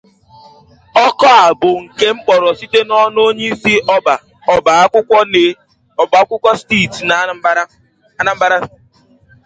Oku a bụ nke a kpọrọ site n'ọnụ onyeisi ọba akwụkwọ steeti Anambra